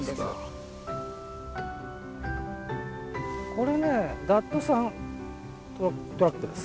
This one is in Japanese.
これダットサントラックです。